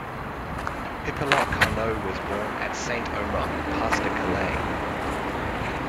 Hippolyte Carnot was born at Saint-Omer, Pas-de-Calais.